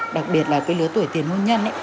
đặc biệt là cái lứa tuổi tiền hôn nhân